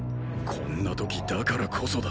こんな時だからこそだ。